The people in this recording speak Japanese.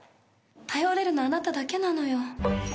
頼れるのあなただけなのよ。